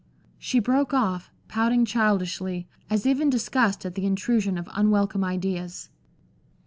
She broke off, pouting childishly, as if in disgust at the intrusion of unwelcome ideas.